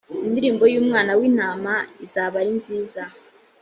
indirimbo y’ umwana w’ intama izaba arinziza.